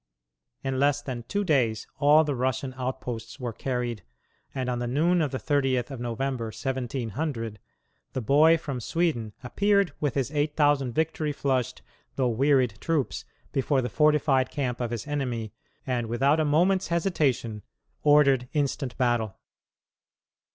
In less than two days all the Russian outposts were carried, and on the noon of the thirtieth of November, 1700, the boy from Sweden appeared with his eight thousand victory flushed though wearied troops before the fortified camp of his enemy, and, without a moment's hesitation, ordered instant battle.